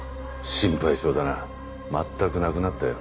心配性だな全くなくなったよ。